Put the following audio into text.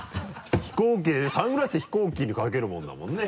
飛行機でねサングラス飛行機でかけるものだもんね。